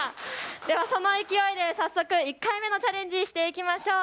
その勢いで早速１回目のチャレンジしていきましょう。